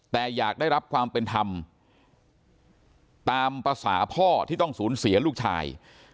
แต่อยากได้รับความเป็นธรรมตามภาษาพ่อที่ต้องสูญเสียลูกชาย